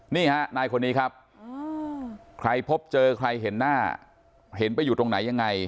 นี่ฮะนายคนนี้ครับใครพบเจอใครเห็นหน้าเห็นไปอยู่ตรงไหนยังไง